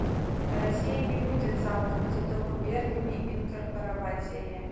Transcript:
Расія не будзе цалкам ці то губернямі інкарпараваць яе.